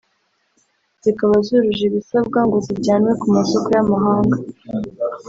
zikaba zujuje ibisabwa ngo zijyanwe ku masoko y’amahanga